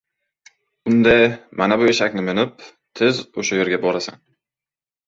— Unda, mana bu eshakni minib, tezda o‘sha yerga borasan.